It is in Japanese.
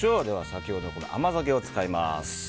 先ほどの甘酒を使います。